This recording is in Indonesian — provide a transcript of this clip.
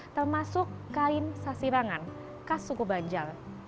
termasuk kain sasirangan khas suku banjal